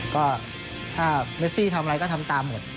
ก็ถ้าเมซี่ทำอะไรก็ทำตามหมด